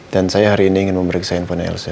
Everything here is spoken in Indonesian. dan saya hari ini ingin memeriksa handphone elsa